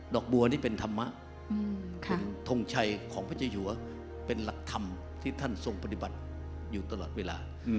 อกบัวนี่เป็นธรรมะเป็นทงชัยของพระเจ้าอยู่เป็นหลักธรรมที่ท่านทรงปฏิบัติอยู่ตลอดเวลา